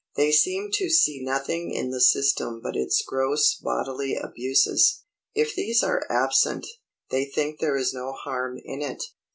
They seem to see nothing in the system but its gross bodily abuses. If these are absent, they think there is no harm in it.